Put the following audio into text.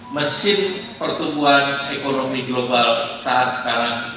mesin pertumbuhan ekonomi global saat sekarang